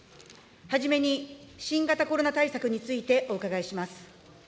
はじめに、新型コロナ対策についてお伺いします。